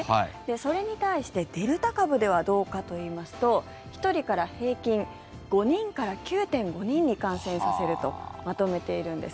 それに対してデルタ型ではどうかといいますと１人から平均５人から９．５人に感染させるとまとめているんです。